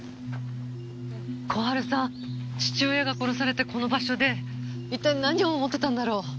小春さん父親が殺されたこの場所で一体何を思ってたんだろう？